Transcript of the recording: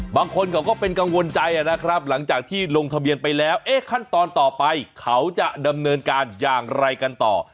บางคนเขาก็เป็นกังวลใจนะครับหลังจากที่ลงทะเบียนไปแล้วเอ๊ะขั้นตอนต่อไปเขาจะดำเนินการอย่างไรกันต่อ